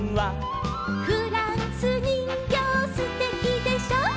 「フランスにんぎょうすてきでしょ」